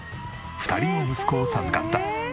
２人の息子を授かった。